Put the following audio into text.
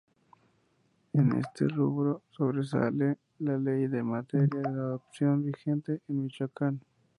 En este rubro sobresale la ley en materia de adopción vigente en Michoacán.